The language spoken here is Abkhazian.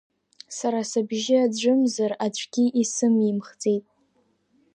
Сара сыбжьы аӡәымзар-аӡәгьы исымимхӡеит.